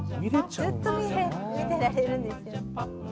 ずっと見てられるんですよ。